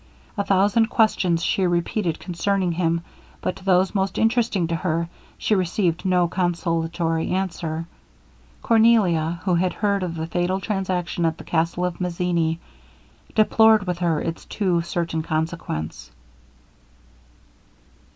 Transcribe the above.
A thousand questions she repeated concerning him, but to those most interesting to her, she received no consolatory answer. Cornelia, who had heard of the fatal transaction at the castle of Mazzini, deplored with her its too certain consequence.